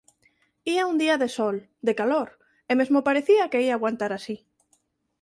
Ía un día de sol, de calor, e mesmo parecía que ía aguantar así.